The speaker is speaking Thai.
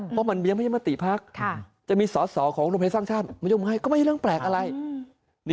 เพราะมันยังไม่มีจะมาตรีภักรณ์